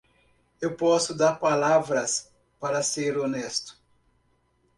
Eu posso dar palavras para ser honesto.